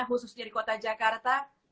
khususnya di kota jakarta